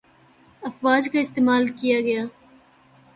افواج کا استعمال کیا گی